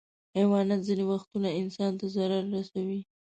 حیوانات ځینې وختونه انسان ته ضرر رسوي.